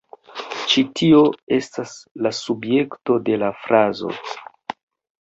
Ĉi tio estas la subjekto de la frazo.